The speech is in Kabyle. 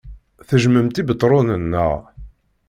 Tejjmemt Ibetṛunen, naɣ?